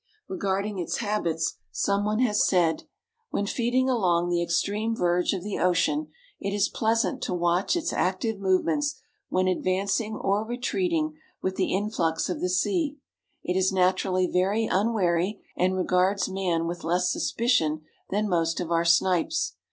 Regarding its habits, some one has said: "When feeding along the extreme verge of the ocean it is pleasant to watch its active movements when advancing or retreating with the influx of the sea. It is naturally very unwary and regards man with less suspicion than most of our snipes.